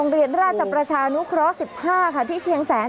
ได้แล้ว